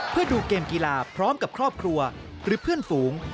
เพื่อดูเกมกีฬาพร้อมกับครอบครัวหรือเพื่อนฝูง